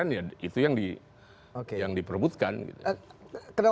itu yang diperbutkan